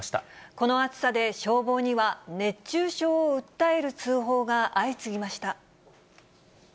この暑さで消防には、熱中症を訴える通報が相次ぎました。